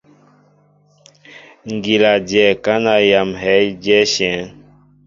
Ŋgíla dyɛ kana yam heé diɛnshɛŋ.